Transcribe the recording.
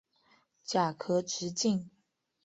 甲壳直径。